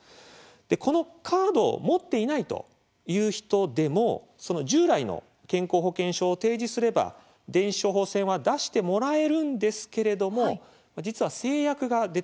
このカードを持っていないという人でも、従来の健康保険証を提示すれば電子処方箋は出してもらえるんですけれども実は制約が出てくるんですね。